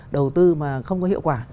đầu tư mà không có hiệu quả